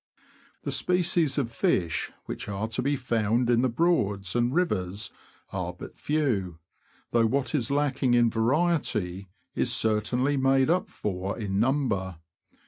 The species of fish which are to be found in the Broads and rivers are but few, though what is lack ing in variety is certainly made up for in number.